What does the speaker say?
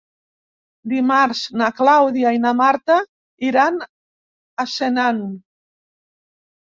Dimarts na Clàudia i na Marta iran a Senan.